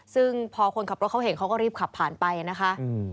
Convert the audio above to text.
ซึ่งพอคนขับรถเขาเห็นเขาก็รีบขับผ่านไปนะคะ